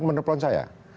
dia menyebutkan saya